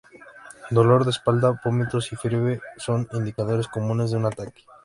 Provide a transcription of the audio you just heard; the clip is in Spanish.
Dolor de espalda, vómitos y fiebre son indicadores comunes de un ataque.